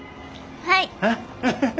はい。